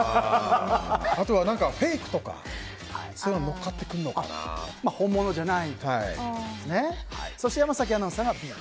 あとは、フェイクとかそういうのが乗っかってくるのかな。